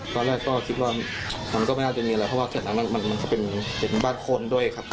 ตอนแรกก็คิดว่ามันก็ไม่น่าจะมีอะไรเพราะว่าเขตนั้นมันก็เป็นบ้านคนด้วยครับ